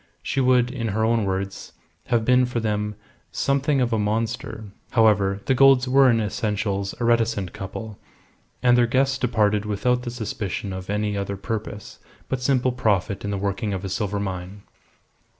She would in her own words have been for them "something of a monster." However, the Goulds were in essentials a reticent couple, and their guests departed without the suspicion of any other purpose but simple profit in the working of a silver mine.